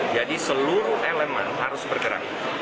jadi seluruh elemen harus bergerak